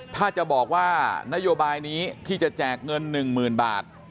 ถ้าจะบอกว่านโยบายนี้ที่จะแจกเงิน๑๐๐๐บาท